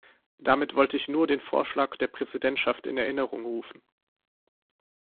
Damit wollte ich nur den Vorschlag der Präsidentschaft in Erinnerung rufen.